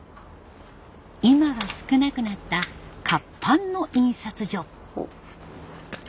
今は少なくなった活版の印刷所。